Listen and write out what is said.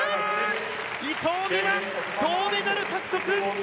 伊藤美誠、銅メダル獲得！